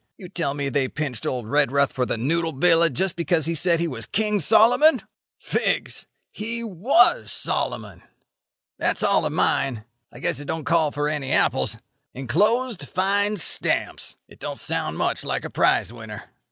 You tell me they pinched old Redruth for the noodle villa just because he said he was King Solomon? Figs! He was Solomon. That's all of mine. I guess it don't call for any apples. Enclosed find stamps. It don't sound much like a prize winner."